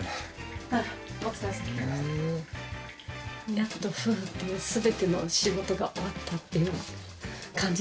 やっと「ふう」っていう全ての仕事が終わったっていう感じですかね。